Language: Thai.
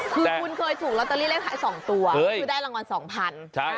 คือแบบคือคุณเคยถูกลอตตารี่เรียบไหว๒ประมาณ๒๐๐๐